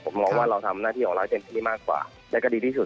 ผมมองว่าเราทำหน้าที่ของเราให้เต็มที่มากกว่าและก็ดีที่สุด